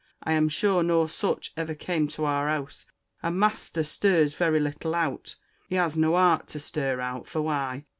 I am shure no sitch ever came to our house. And master sturs very little out. He has no harte to stur out. For why?